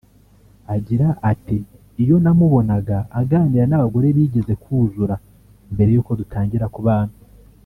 Agira ati “Iyo namubonaga aganira n’abagore bigeze kuzura mbere y’uko dutangira kubana